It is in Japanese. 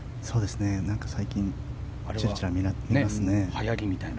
最近ちらちら見ますね。